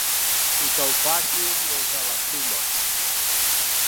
I que ho facin des de la ‘suma’.